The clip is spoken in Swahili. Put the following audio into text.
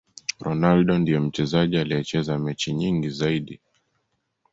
ronaldo ndiye mchezaji aliyecheza mechi nyingi zaidi